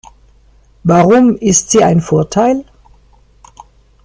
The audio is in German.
Warum ist sie ein Vorteil?